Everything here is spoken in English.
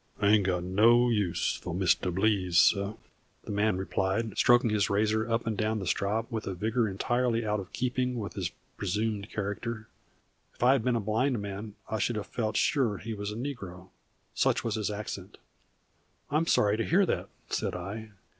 "I ain't got no use fo' Mistuh Blease, suh," the man replied, stroking his razor up and down the strop with a vigor entirely out of keeping with his presumed character. If I had been a blind man, I should have felt sure he was a negro, such was his accent. "I am sorry to hear that," said I.